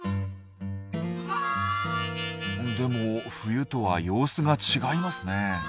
でも冬とは様子が違いますね。